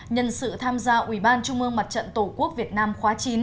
nhân sự tham gia ubnd tổ quốc việt nam khóa chín